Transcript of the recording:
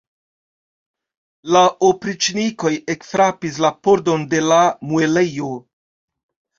La opriĉnikoj ekfrapis la pordon de la muelejo.